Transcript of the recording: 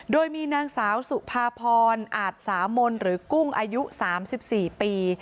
โดยมีนางสาวสุภาพรอาจสามนหรือกุ้งอายุ๓๔ปี